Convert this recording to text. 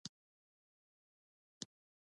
او ورسره پټن چوي.